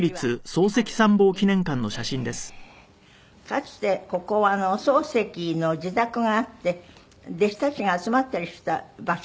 かつてここは漱石の自宅があって弟子たちが集まったりした場所だったんですって？